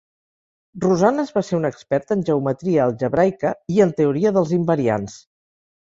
Rosanes va ser un expert en geometria algebraica i en teoria dels invariants.